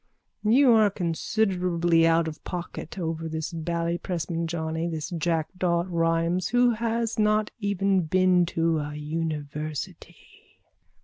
We are considerably out of pocket over this bally pressman johnny, this jackdaw of Rheims, who has not even been to a university.